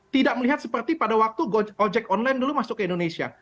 tidak melihat seperti pada waktu ojek online dulu masuk ke indonesia